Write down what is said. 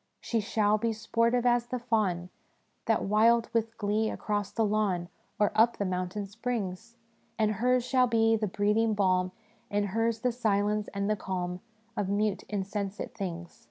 "' She shall be sportive as the fawn, That wild with glee across the lawn Or up the mountain springs ; And hers shall be the breathing balm, And hers the silence and the calm Of mute, insensate things.